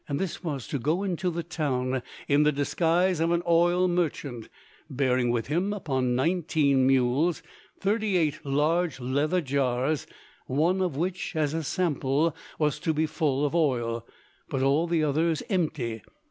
This was to go into the town in the disguise of an oil merchant, bearing with him upon nineteen mules thirty eight large leather jars, one of which, as a sample, was to be full of oil, but all the others empty.